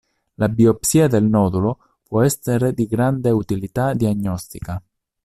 La biopsia del nodulo può essere di grande utilità diagnostica.